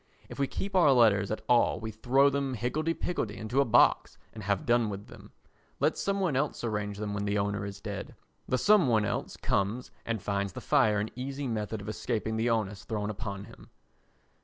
If we keep our letters at all we throw them higgledy piggledy into a box and have done with them; let some one else arrange them when the owner is dead. The some one else comes and finds the fire an easy method of escaping the onus thrown upon him.